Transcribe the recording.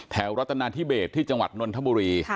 รัฐนาธิเบสที่จังหวัดนนทบุรี